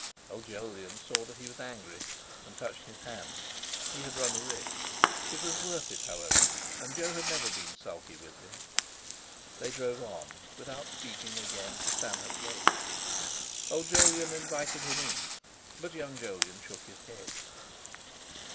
Old Jolyon saw that he was angry, and touched his hand. He had run a risk. It was worth it, however, and Jo had never been sulky with him. They drove on, without speaking again, to Stanhope Gate. Old Jolyon invited him in, but young Jolyon shook his head.